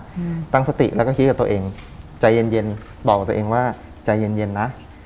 อืมตั้งสติแล้วก็คิดกับตัวเองใจเย็นเย็นบอกกับตัวเองว่าใจเย็นเย็นนะ